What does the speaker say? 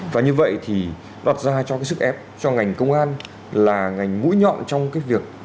và như vậy thì đặt ra cho cái sức ép cho ngành công an là ngành mũi nhọn trong cái việc